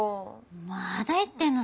まだ言ってんの？